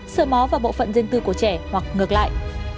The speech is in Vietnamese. sợ mó vào bộ phận dương tư của trẻ hoặc ngược lại